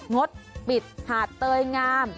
งดปิดหาดเตยงาม